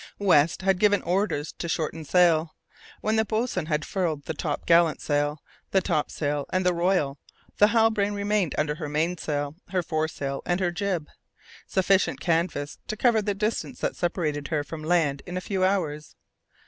West had given orders to shorten sail. When the boatswain had furled the top gallant sail, the top sail and royal, the Halbrane remained under her mainsail, her fore sail and her jib: sufficient canvas to cover the distance that separated her from land in a few hours.